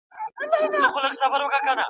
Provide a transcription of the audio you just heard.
چي پخوا به یې مېړه څنګ ته ویده وو ..